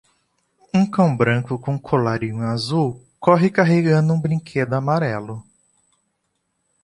Um cão branco com um colarinho azul corre carregando um brinquedo amarelo.